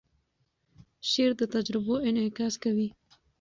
شعر د تجربو انعکاس کوي.